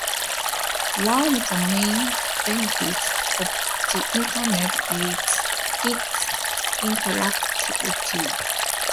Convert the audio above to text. One of the main benefits of the Internet is its interactivity.